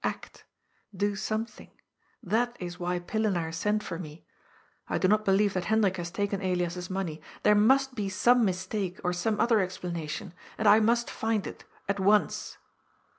" Act. Do something. That is why Pillenaar sent for me. I do not believe that Hen drik has taken Elias's money. There must be some mistake, or some other explanation. And I must find it. At once."